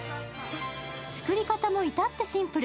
作り方も至ってシンプル。